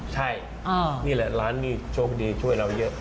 ใช่นี่แหละร้านนี้โชคดีช่วยเราเยอะ